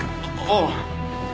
ああ。